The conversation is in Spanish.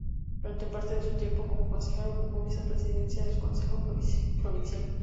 Durante parte de su tiempo como consejero ocupó la vicepresidencia del consejo provincial.